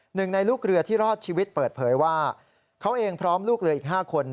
หนึ่งในลูกเรือที่รอดชีวิตเปิดเผยว่าเขาเองพร้อมลูกเรืออีก๕คน